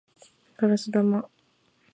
ガラス玉